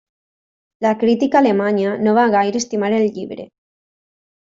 La crítica alemanya no va gaire estimar el llibre.